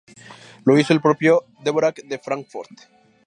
Lo hizo el propio Dvořák en Fráncfort.